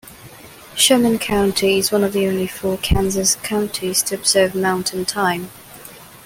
Sherman County is one of only four Kansas counties to observe Mountain Time.